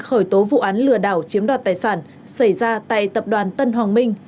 khởi tố vụ án lừa đảo chiếm đoạt tài sản xảy ra tại tập đoàn tân hoàng minh